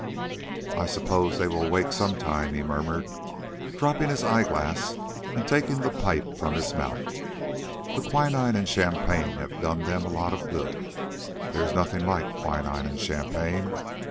"I suppose that they will wake some time," he murmured, dropping his eyeglass and taking the pipe from his mouth. "The quinine and champagne have done them a lot of good: there is nothing like quinine and champagne.